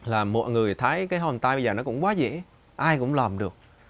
là mọi người thấy cái homestay bây giờ nó cũng quá dễ ai cũng làm được